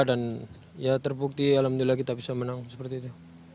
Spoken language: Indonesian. dan ya terbukti alhamdulillah kita bisa menang seperti itu